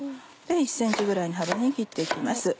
１ｃｍぐらいの幅に切って行きます。